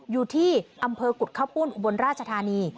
อยู่ที่อำเภอกุฎข้าวปุ้นอุบลราชธานี